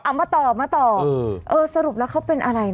เอามาต่อมาต่อเออสรุปแล้วเขาเป็นอะไรนะ